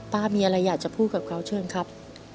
มีอะไรอยากจะพูดกับเขาเชิญครับ